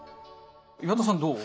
岩田さんどう？